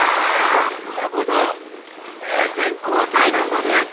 今こそ政権交代の時です！